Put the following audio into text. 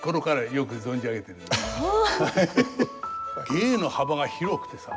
芸の幅が広くてさ。